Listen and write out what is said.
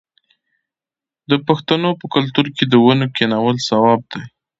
د پښتنو په کلتور کې د ونو کینول ثواب دی.